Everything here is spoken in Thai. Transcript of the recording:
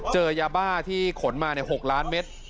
เจอยาบ้าที่ขนมา๖ล้านเมตร